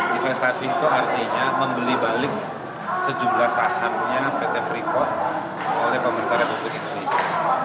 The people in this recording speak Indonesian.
divestasi itu artinya membeli balik sejumlah sahamnya pt freeport oleh pemerintah republik indonesia